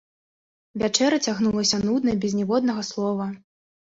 Вячэра цягнулася нудна, без ніводнага слова.